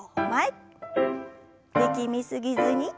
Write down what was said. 力み過ぎずに。